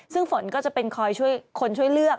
ซึ่งฝนก็จะเป็นคนช่วยเลือก